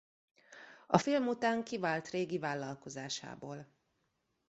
A film után kivált régi vállalkozásából.